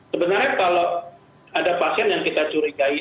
sebenarnya kalau ada pasien yang kita curigai